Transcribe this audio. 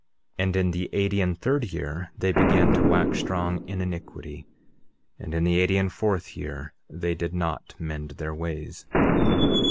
And in the eighty and third year they began to wax strong in iniquity. And in the eighty and fourth year they did not mend their ways.